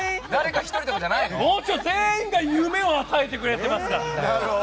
全員が夢を与えてくれてますから！